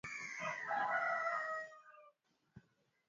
utahitaji siagi gram arobaini